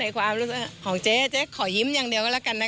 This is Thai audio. ในความรู้สึกของเจ๊เจ๊ขอยิ้มอย่างเดียวละกันนะ